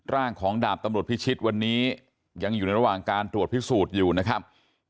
ร่างของดาบตำรวจพิชิตวันนี้ยังอยู่ในระหว่างการตรวจพิสูจน์อยู่นะครับ